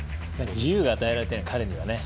自由が与えられる、彼には。